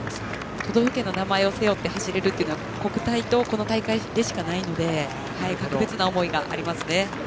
都道府県の名前を背負って走れるというのは国体とこの大会しかないので格別な思いがありますね。